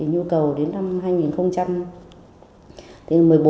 nhu cầu đến năm hai nghìn một mươi bốn